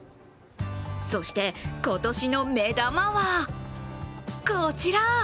そして、今年の目玉はこちら。